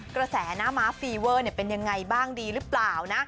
กระแสน้ำม้าฟีเวอร์เป็นยังไงบ้างดีหรือเปล่านะ